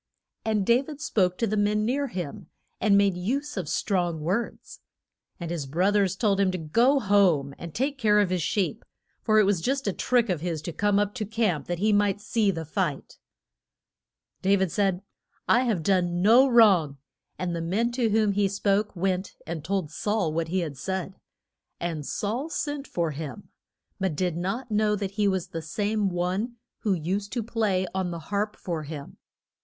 And Da vid spoke to the men near him, and made use of strong words. And his broth ers told him to go home and take care of his sheep, for it was just a trick of his to come up to camp that he might see the fight. [Illustration: DA VID BE FORE SAUL.] Da vid said, I have done no wrong! and the men to whom he spoke went and told Saul what he had said. And Saul sent for him, but did not know that he was the same one who used to play on the harp for him.